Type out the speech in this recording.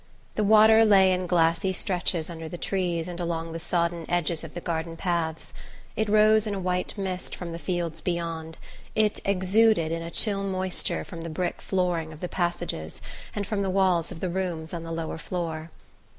The water lay in glassy stretches under the trees and along the sodden edges of the garden paths, it rose in a white mist from the fields beyond, it exuded in a chill moisture from the brick flooring of the passages and from the walls of the rooms on the lower floor.